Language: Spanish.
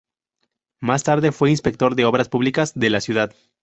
Más tarde fue inspector de obras públicas de la ciudad.